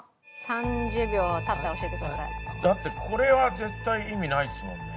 だってこれは絶対意味ないですもんね。